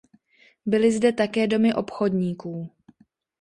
Byly zde také domy obchodníků.